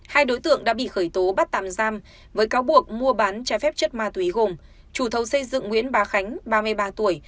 hai đối tượng đã bị khởi tố bắt tạm giam với cáo buộc mua bán trái phép chất ma túy gồm chủ thầu xây dựng nguyễn bá khánh ba mươi ba tuổi